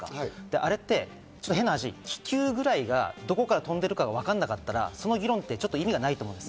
あれって変な話、気球ぐらいがどこから飛んでるかわからなかったら、その議論って意味がないと思うんです。